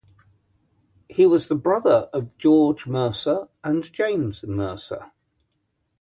He was the brother of George Mercer and James Mercer.